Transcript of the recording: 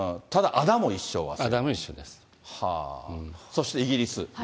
そしてイギリス。